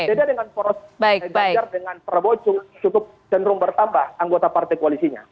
jadi dengan poros anies dengan prabowo cukup cenderung bertambah anggota partai kualisinya